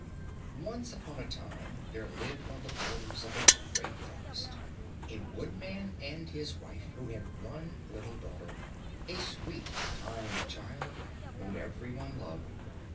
Once upon a time there lived on the borders of a great forest a woodman and his wife who had one little daughter, a sweet, kind child, whom every one loved.